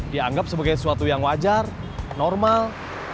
dianggap sebagai sesuatu yang wajar normal